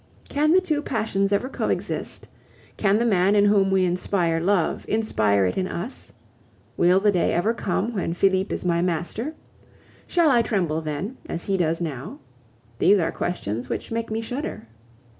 Can the two passions ever co exist? Can the man in whom we inspire love inspire it in us? Will the day ever come when Felipe is my master? Shall I tremble then, as he does now? These are questions which make me shudder.